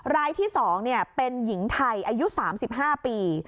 รายที่๒เป็นหญิงไทยอายุ๓๕ปี